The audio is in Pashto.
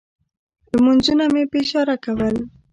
لمونځونه مې په اشارې کول.